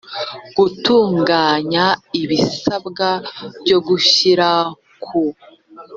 gutunganya ibisabwa byo gushyira ku